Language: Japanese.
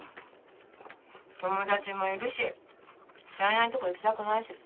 友達もいるし知らないとこ行きたくないし。